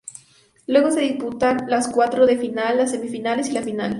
Luego se disputan los cuartos de final, las semifinales y la final.